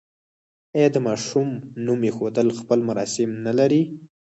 آیا د ماشوم نوم ایښودل خپل مراسم نلري؟